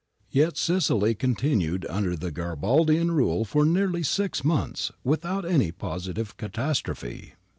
Yet Sicily continued under the Garibaldian rule for nearly six months without any positive catastrophe.